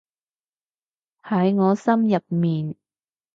喺我心入面